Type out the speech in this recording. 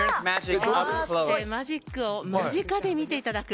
マジックを間近で見ていただく。